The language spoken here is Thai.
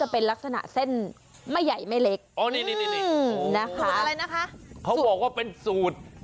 เป็นลักษณะเส้นไม่ใหญ่ไม่เล็ก